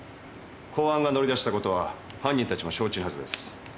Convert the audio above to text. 公安が乗り出したことは犯人たちも承知のはずです。